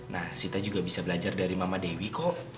nah sita juga bisa belajar dari mama dewi kok